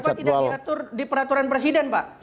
kenapa tidak diatur di peraturan presiden pak